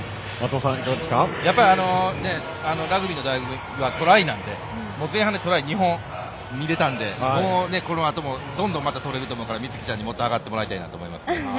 やっぱりラグビーのだいご味はトライなので前半でトライ２本、入れたんでこのあともどんどん取れると思うから美月ちゃんにもっと上がってほしいと思います。